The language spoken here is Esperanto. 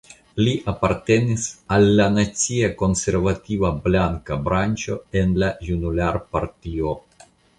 Li apartenis al la nacia konservativa "blanka branĉo" en la junularpartio.